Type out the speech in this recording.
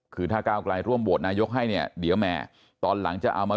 คือถ้าก้าวกลายร่วมโหวตนายกให้เนี่ยเดี๋ยวแหมตอนหลังจะเอามา